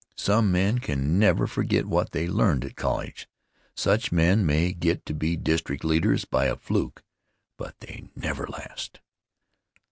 Some men can never forget what they learned at college. Such men may get to be district leaders by a fluke, but they never last.